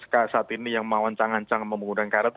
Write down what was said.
saat ini yang mau ancang ancang menggunakan krl